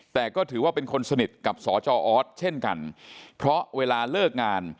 แต่ก็ถือว่าเป็นคนสนิทกับสจออสเช่นกันเพราะเวลาเลิกงาน